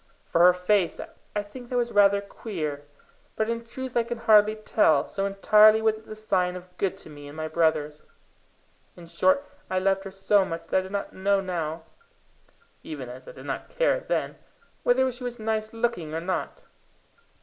For her face, I think that was rather queer, but in truth I can hardly tell, so entirely was it the sign of good to me and my brothers; in short, I loved her so much that I do not know now, even as I did not care then, whether she was nice looking or not.